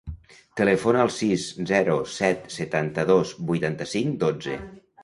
Telefona al sis, zero, set, setanta-dos, vuitanta-cinc, dotze.